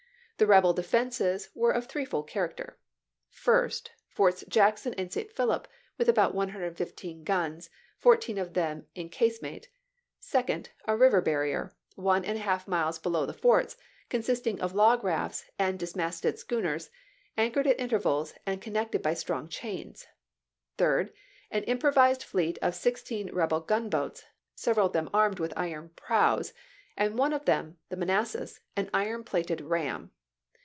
The rebel defenses were of threefold character. First, Forts Jackson and St. Philip with about 115 guns, foui'teen of them in casemate ; second, a river barrier, one and one half miles below the forts, consisting of log rafts and dismasted schooners, anchored at intervals and connected by strong chains; third, an improvised fleet of sixteen rebel gunboats, several of them armed with iron prows, and one of them (the Manassas) an iron plated ram.